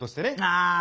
ああ！